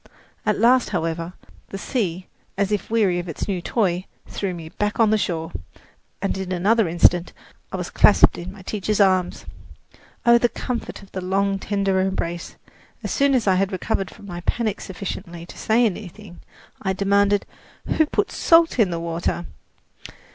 At last, however, the sea, as if weary of its new toy, threw me back on the shore, and in another instant I was clasped in my teacher's arms. Oh, the comfort of the long, tender embrace! As soon as I had recovered from my panic sufficiently to say anything, I demanded: "Who put salt in the water?"